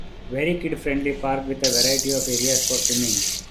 Very kid friendly park with a variety of areas for swimming.